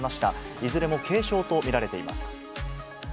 いずれも軽傷と見られています。